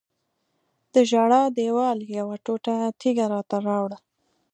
د ژړا دیوال یوه ټوټه تیږه راته راوړه.